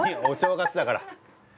お正月だから。